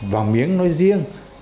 vàng miếng nói riêng